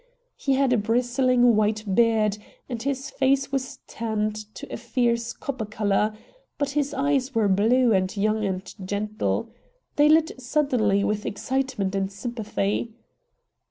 He had a bristling white beard and his face was tanned to a fierce copper color, but his eyes were blue and young and gentle. They lit suddenly with excitement and sympathy.